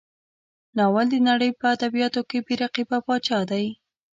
ناول د نړۍ په ادبیاتو کې بې رقیبه پاچا دی.